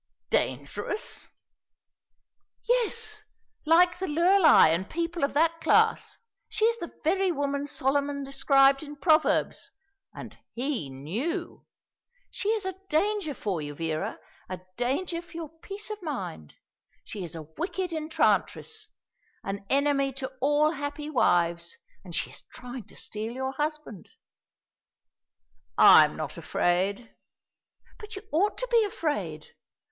"Dangerous?" "Yes, like the Lurlei and people of that class. She is the very woman Solomon described in Proverbs and he knew. She is a danger for you, Vera, a danger for your peace of mind. She is a wicked enchantress, an enemy to all happy wives; and she is trying to steal your husband." "I am not afraid.". "But you ought to be afraid.